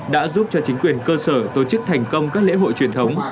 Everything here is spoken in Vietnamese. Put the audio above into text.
đã giúp cho chính quyền cơ sở tổ chức thành công các lễ hội truyền thống